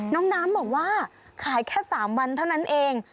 น้องน้ำบอกว่าขายแค่๓วันเท่านั้นเอง